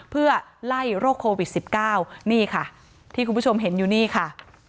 เพื่อไล่โรคโควิด๑๙นี่ค่ะที่คุณผู้ชมเห็นอยู่นี่ค่ะ